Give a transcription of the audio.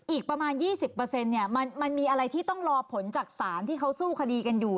อีกประมาณ๒๐มันมีอะไรที่ต้องรอผลจากศาลที่เขาสู้คดีกันอยู่